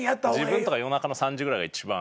自分とか夜中３時ぐらいが一番。